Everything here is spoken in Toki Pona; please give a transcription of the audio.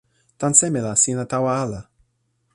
tan seme la sina tawa ala?